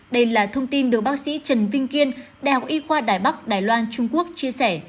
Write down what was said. đây là thông tin được bác sĩ trần vinh kiên đại học y khoa đài bắc đài loan trung quốc chia sẻ